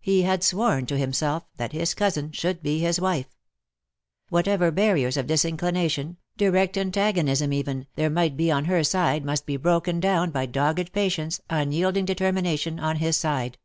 He had sworn to himself that his cousin should be his wife. Whatever barriers of disinclina tion, direct antagonism even, there might be on her side must be broken down by dogged patience, un yielding determination on his side.